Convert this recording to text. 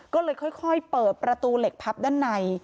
ก็เลยค่อยเปิดประตูเหล็กพับด้านใน